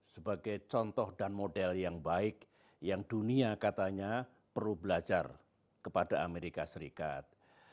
sebagai contoh dan model yang baik yang dunia katanya perlu belajar kepada amerika serikat